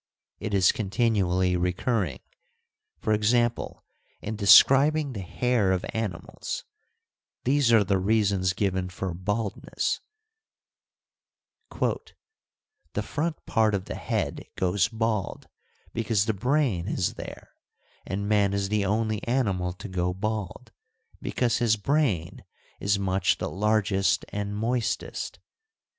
It is continually recurring ; for example, in describing the hair of animals these are the reasons given for baldness : The front part of the head goes bald because the brain is there and man is the only animal to go bald, because his brain is much the largest and moistest.